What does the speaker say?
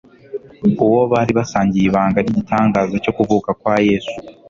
uwo bari basangiye ibanga ry’igitangaza cyo kuvuka kwa Yesu